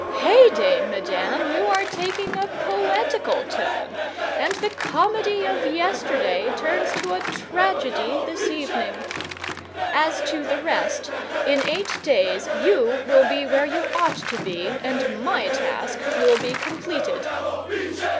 Heyday, madame! you are taking a poetical tone, and the comedy of yesterday turns to a tragedy this evening. As to the rest, in eight days you will be where you ought to be, and my task will be completed."